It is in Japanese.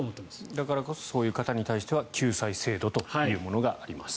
だからこそそういう方に対しては救済制度というのがあります。